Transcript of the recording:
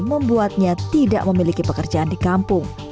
membuatnya tidak memiliki pekerjaan di kampung